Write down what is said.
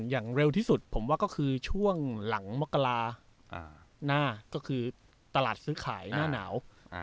อย่างเร็วที่สุดผมว่าก็คือช่วงหลังมกราหน้าก็คือตลาดซื้อขายหน้าหนาว